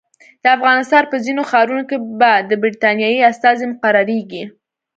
د افغانستان په ځینو ښارونو کې به د برټانیې استازي مقرریږي.